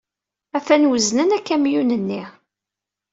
Atan wezznen akamyun-nni.